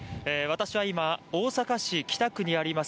私は今、大阪市北区にあります